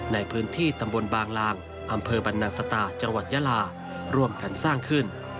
ในพื้นที่ตำบลบางลางอำเภอบรรดิษฐาหญวงบรรยาหล่าการสร้างขึ้น